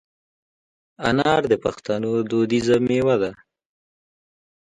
انار د پښتنو دودیزه مېوه ده.